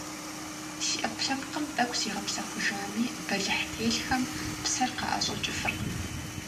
Си Ӏэпкълъэпкъым тӀэкӀу зигъэпсэхужами, бэлыхь телъхэм псэр къаӀэщӀэкӀыфыркъым.